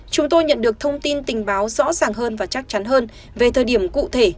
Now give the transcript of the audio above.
chúng tôi nhận được thông tin tình báo rõ ràng hơn và chắc chắn hơn về thời điểm cụ thể